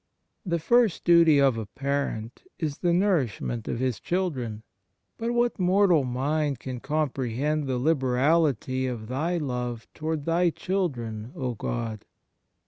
1 The first duty of a parent is the nourishment of his children; but what mortal mind can comprehend the liberality of Thy love towards Thy children, O God